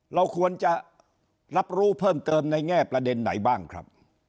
เราควรจะรับรู้เพิ่มเติมในแง่ประเด็นไหนบ้างครับ